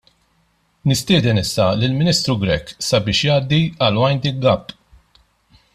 Nistieden issa lill-Ministru Grech sabiex jgħaddi għall-winding - up.